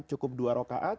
cukup dua rokaat